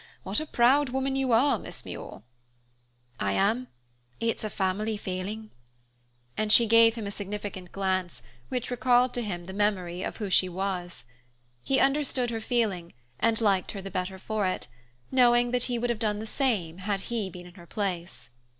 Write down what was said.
What a proud woman you are, Miss Muir." "I am; it's a family failing." And she gave him a significant glance, which recalled to him the memory of who she was. He understood her feeling, and liked her the better for it, knowing that he would have done the same had he been in her place.